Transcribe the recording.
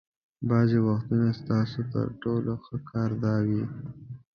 بعضې وختونه ستاسو تر ټولو ښه کار دا وي.